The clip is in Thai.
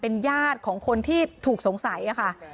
ญาติของคนที่ถูกสงสัยค่ะ